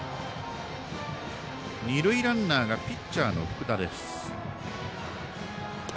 二塁ランナーがピッチャーの福田。